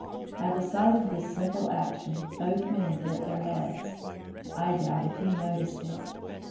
At the sight of this simple action, both men bent their heads. I doubt if he noticed it.